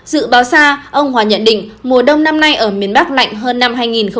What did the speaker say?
dự báo xa ông hòa nhận định mùa đông năm nay ở miền bắc lạnh hơn năm hai nghìn hai mươi